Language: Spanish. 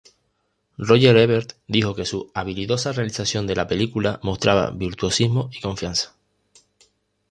Roger Ebert dijo que su habilidosa realización de la película mostraba virtuosismo y confianza.